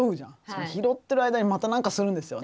その拾ってる間にまた何かするんですよ。